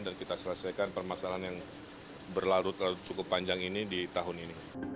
dan kita selesaikan permasalahan yang berlarut larut cukup panjang ini di tahun ini